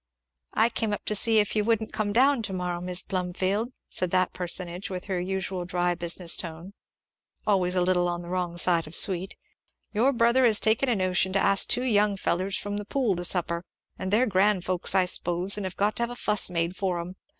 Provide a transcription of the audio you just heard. "I came up to see if you wouldn't come down to morrow, Mis' Plumfield," said that personage, with her usual dry business tone, always a little on the wrong side of sweet; "your brother has taken a notion to ask two young fellers from the Pool to supper, and they're grand folks I s'pose, and have got to have a fuss made for 'em.